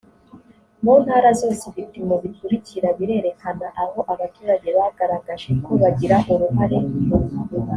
mu ntara zose ibipimo bikurikira birerekana aho abaturage bagaragaje ko bagira uruhare